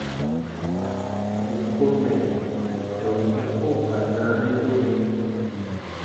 Bù ko mɛ̀ tɔnu u koo ka naanɛ doke.